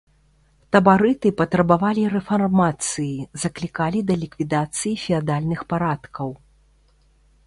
Табарыты патрабавалі рэфармацыі, заклікалі да ліквідацыі феадальных парадкаў.